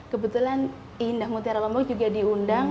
kebetulan indah mutiara lombok juga diundang